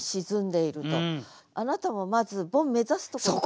あなたもまずボン目指すところから。